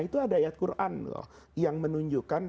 itu ada ayat quran loh yang menunjukkan